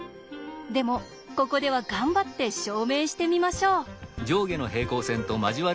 でもここでは頑張って証明してみましょう。